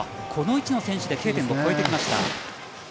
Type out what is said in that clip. この位置の選手でＫ点を越えてきました。